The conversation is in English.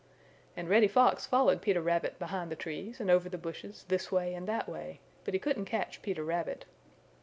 And Reddy Fox followed Peter Rabbit behind the trees and over the bushes this way and that way, but he couldn't catch Peter Rabbit.